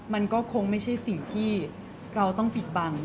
มันก็คงไม่ใช่สิ่งที่เราต้องปิดบัง